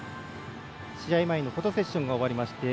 試合前のフォトセッションが終わりまして